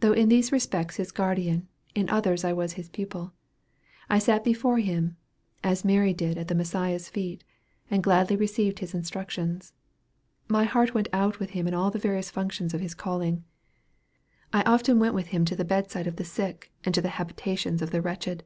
Though in these respects his guardian, in others I was his pupil. I sat before him, as Mary did at the Messiah's feet, and gladly received his instructions. My heart went out with him in all the various functions of his calling. I often went with him to the bed side of the sick, and to the habitations of the wretched.